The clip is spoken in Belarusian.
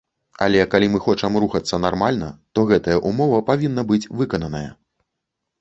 Але калі мы хочам рухацца нармальна, то гэтая ўмова павінна быць выкананая.